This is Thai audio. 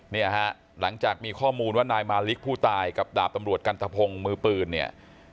เนี่ยฮะหลังจากมีข้อมูลว่านายมาลิกผู้ตายกับดาบตำรวจกันทะพงศ์มือปืนเนี่ย